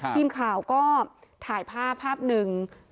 ทีมข่าวก็ถ่ายภาพภาพหนึ่ง